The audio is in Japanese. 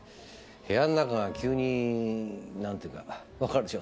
部屋ん中が急になんていうかわかるでしょ？